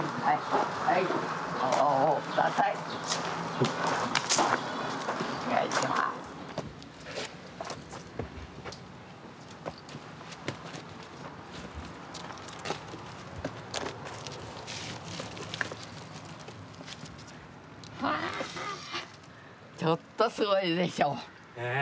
ちょっとすごいでしょ。ね！